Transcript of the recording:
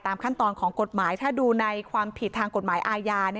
ขั้นตอนของกฎหมายถ้าดูในความผิดทางกฎหมายอาญา